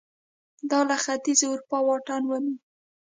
دا له ختیځې اروپا واټن ونیو